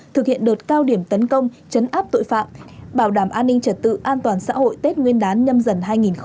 thực hiện đợt cao điểm tấn công chấn áp tội phạm bảo đảm an ninh trật tự an toàn xã hội tết nguyên đán nhâm dần hai nghìn hai mươi bốn